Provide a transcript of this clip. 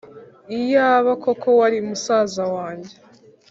Iyaba koko wari musaza wanjye,